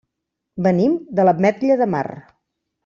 Venim de l'Ametlla de Mar.